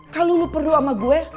kalau lu perlu sama gue